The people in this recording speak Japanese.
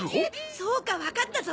そうかわかったぞ。